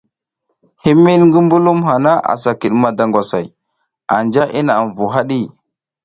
Himiɗ ngi mbulum hana asa kiɗ madangwasay, anja i naʼam vu haɗi.